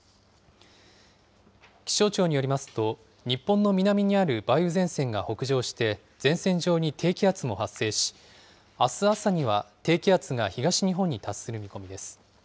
気象庁によりますと、日本の南にある梅雨前線が北上して、前線上に低気圧も発生し、あす朝には低気圧が東日本に達する見込みです。